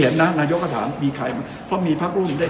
ฉันชอบร่างนโยบาย